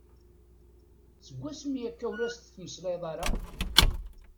Seg wasmi akka ur as-tettmeslayeḍ ara?